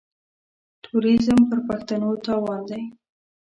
تروريزم پر پښتنو تاوان دی.